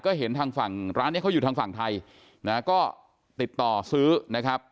ก็เห็นทางฝั่งร้านนี้เขาอยู่ทางฝั่งไทยนะก็ติดต่อซื้อนะครับ